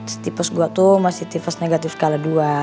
setipus gue tuh masih tipes negatif skala dua